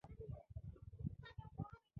پرون مو خوله خلاصه کړه.